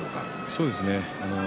そうですね